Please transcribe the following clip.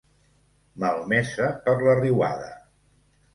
Malmesa per la riuada.